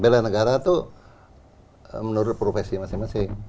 bela negara itu menurut profesi masing masing